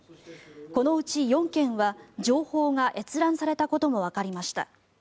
このうち４件は情報が閲覧されたこともわかりました。